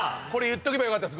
言っとけばよかった。